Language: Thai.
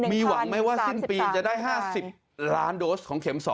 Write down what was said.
มีหวังไหมว่าสิ้นปีจะได้๕๐ล้านโดสของเข็ม๒